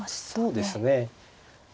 そうですね。